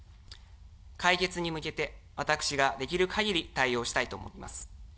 解決に向けて、私ができるかぎり、対応したいと思っています。